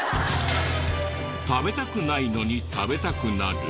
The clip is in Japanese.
食べたくないのに食べたくなる！？